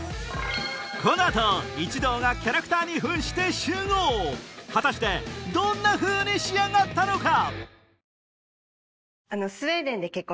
この後一同がキャラクターに扮して集合果たしてどんなふうに仕上がったのか？